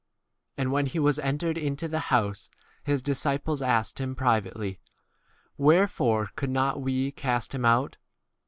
28 And when he was entered into the house, his disciples asked him privately, Wherefore could not we 29 cast him out